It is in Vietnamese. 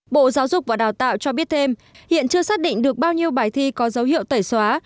bộ giáo dục và đào tạo cho biết thêm hiện chưa xác định được bao nhiêu bài thi có dấu hiệu tẩy xóa